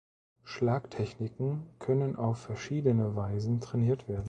Schlagtechniken können auf verschiedene Weisen trainiert werden.